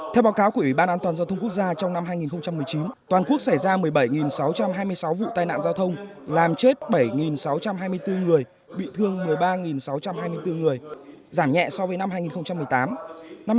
theo báo cáo của ủy ban an toàn giao thông quốc gia trong năm hai nghìn một mươi chín toàn quốc xảy ra một mươi bảy sáu trăm hai mươi sáu vụ tai nạn giao thông làm chết bảy sáu trăm hai mươi bốn người bị thương một mươi ba sáu trăm hai mươi bốn người giảm nhẹ so với năm hai nghìn một mươi tám